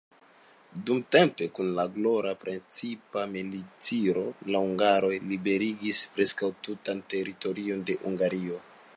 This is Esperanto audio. Dumtempe, kun la glora printempa militiro, la hungaroj liberigis preskaŭ tutan teritorion de Hungario.